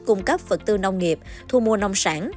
cung cấp vật tư nông nghiệp thu mua nông sản